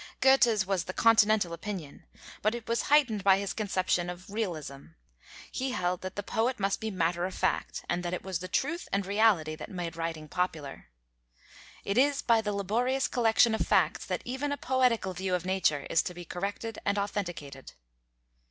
Goethe's was the Continental opinion, but it was heightened by his conception of "realism"; he held that the poet must be matter of fact, and that it was the truth and reality that made writing popular: "It is by the laborious collection of facts that even a poetical view of nature is to be corrected and authenticated."